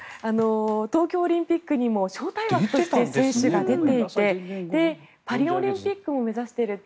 東京オリンピックにも招待枠で選手が出ていてパリオリンピックも目指していると。